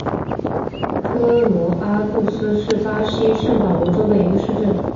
科罗阿杜斯是巴西圣保罗州的一个市镇。